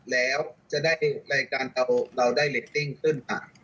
แล้วจะได้รายการเราได้เรตติ้งขึ้นค่ะ